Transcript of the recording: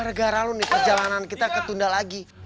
gara gara lo nih perjalanan kita ketunda lagi